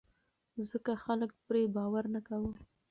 ځکه خلک پرې باور نه کاوه.